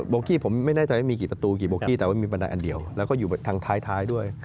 กี้ผมไม่แน่ใจว่ามีกี่ประตูกี่โบกี้แต่ว่ามีบันไดอันเดียวแล้วก็อยู่ทางท้ายด้วย